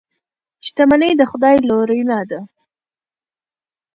شتمني د خدای لورینه ده.